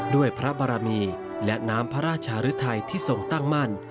ด้วยพระบารมีและน้ำพระราชหรือไทยที่ทรงตั้งมั่น